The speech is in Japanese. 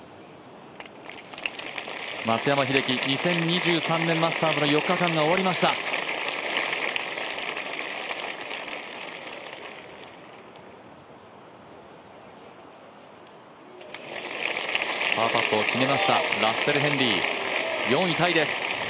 松山英樹、２０２３年マスターズの４日間が終わりましたパーパットを決めましたラッセル・ヘンリー、４位タイです。